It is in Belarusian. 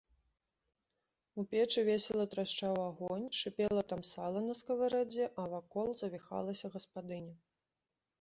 У печы весела трашчаў агонь, шыпела там сала на скаварадзе, а вакол завіхалася гаспадыня.